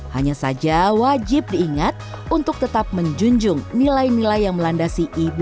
hanya saja wajib diingat untuk tetap menjunjung nilai nilai yang melandasi ibu